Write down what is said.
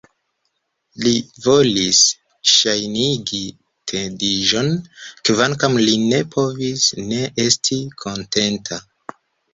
Li volis ŝajnigi tediĝon, kvankam li ne povis ne esti kontenta.